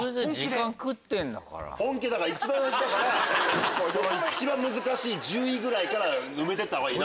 だから一番最初だから一番難しい１０位ぐらいから埋めてったほうがいいな。